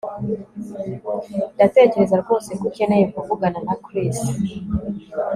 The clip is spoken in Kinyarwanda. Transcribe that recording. Ndatekereza rwose ko ukeneye kuvugana na Chris